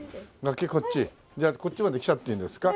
じゃあこっちまで来ちゃっていいんですか？